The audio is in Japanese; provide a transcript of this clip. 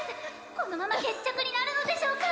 このまま決着になるのでしょうか！？